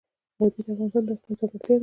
وادي د افغانستان د اقلیم ځانګړتیا ده.